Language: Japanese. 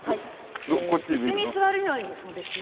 椅子に座るよりもですね